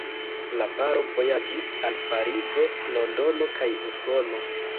La paro vojaĝis al Parizo, Londono kaj Usono.